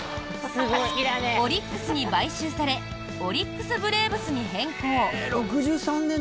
オリックスに買収されオリックス・ブレーブスに変更。